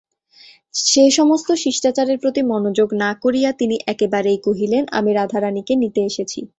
সে-সমস্ত শিষ্টাচারের প্রতি মনোযোগ না করিয়া তিনি একেবারেই কহিলেন, আমি রাধারানীকে নিতে এসেছি।